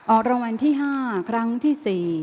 รางวัลที่๕ครั้งที่๔